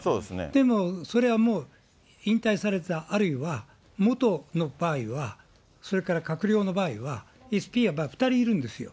でも、それはもう引退された、あるいは元の場合は、それから閣僚の場合は、ＳＰは２人いるんですよ。